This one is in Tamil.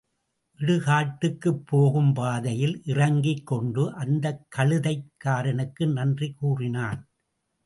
இடுகாட்டுக்குப் போகும் பாதையில் இறங்கிக் கொண்டு அந்தக் கழுதைக் காரனுக்கு நன்றி கூறினான்.